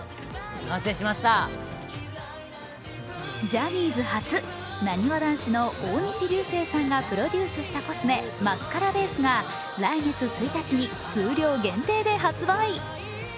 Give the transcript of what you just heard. ジャニーズ初、なにわ男子の大西流星さんがプロデュースしたコスメマスカラベースが来月１日に数量限定で発売。